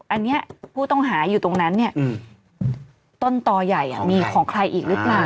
อันนี้ผู้ต้องหาอยู่ตรงนั้นเนี่ยต้นต่อใหญ่มีของใครอีกหรือเปล่า